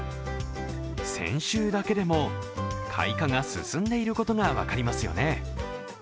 先週だけでも、開花が進んでいることが分かりますよね。